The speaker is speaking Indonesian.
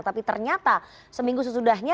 tapi ternyata seminggu sesudahnya